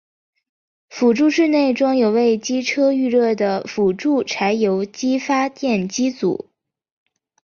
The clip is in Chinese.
辅助室内装有为机车预热的辅助柴油机发电机组。